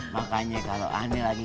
makanya kalau anak lagi